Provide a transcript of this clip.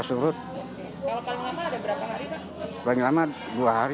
kalau paling lama ada berapa hari